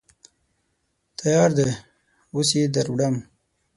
_تيار دی، اوس يې دروړم.